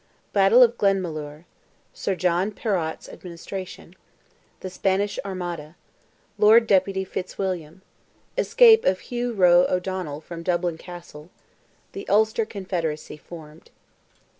BATTLE OF GLENMALURE—SIR JOHN PERROTT'S ADMINISTRATION—THE SPANISH ARMADA—LORD DEPUTY FITZWILLIAM—ESCAPE OF HUGH ROE O'DONNELL FROM DUBLIN CASTLE—THE ULSTER CONFEDERACY FORMED.